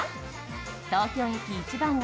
東京駅一番街